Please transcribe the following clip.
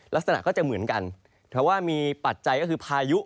ลักษณะก็จะเหมือนกันแต่ว่ามีปัจจัยก็คือพายุ